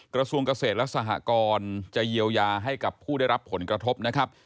กระทรวงเกษตรและสหกรจะเยียวยาให้กับผู้ได้รับผลกระทบนะครับ